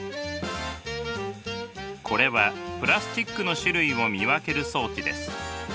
これはプラスチックの種類を見分ける装置です。